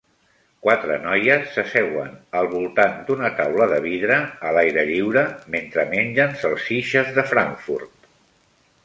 Quatre noies s'asseuen al voltant d'una taula de vidre a l'aire lliure mentre mengen salsitxes de Frankfurt.